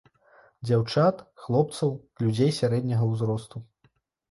Дзяўчат, хлопцаў, людзей сярэдняга ўзросту.